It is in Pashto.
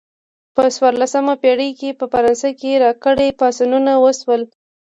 په څوارلسمه پیړۍ کې په فرانسه کې راکري پاڅونونه وشول.